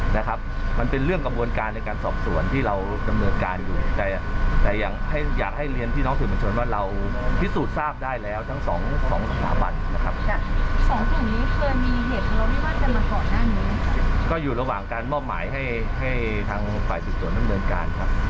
พ่อแม่จะต้องรับผิดชอบกับการกระทำของลูกด้วยไหมคะ